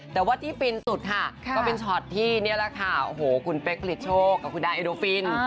แต่ว่าที่ฟินสุดค่ะก็เป็นช็อตที่นี่แหละค่ะโอ้โหคุณเป๊กผลิตโชคกับคุณดาเอโดฟิน